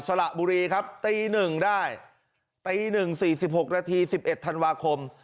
สระบุรีครับตีหนึ่งได้ตีหนึ่งสี่สิบหกนาทีสิบเอ็ดธันวาคม